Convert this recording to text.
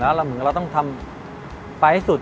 เราเหมือนเราต้องทำไปให้สุด